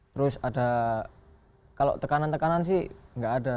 terus ada kalau tekanan tekanan sih nggak ada